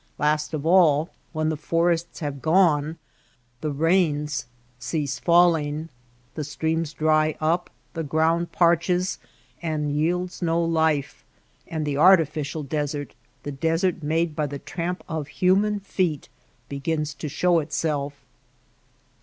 Last of all, when the forests have gone the rains cease falling, the streams dry up, the ground parches and yields no life, and the artificial desert — the desert made by the tramp of human feet — begins to show itself.